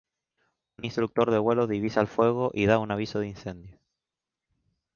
Un instructor de vuelo divisa el fuego y da un aviso de incendio.